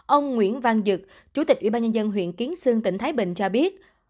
ông nguyễn văn dực chủ tịch ủy ban nhân dân huyện kiến sương tỉnh thái bình cho biết